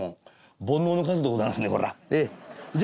煩悩の数でございますねこりゃ。